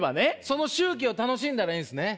その周期を楽しんだらいいんっすね？